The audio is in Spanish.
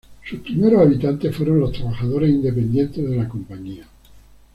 Sus primeros habitantes fueron los trabajadores independientes Cía.